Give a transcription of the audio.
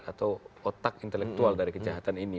atau otak intelektual dari kejahatan ini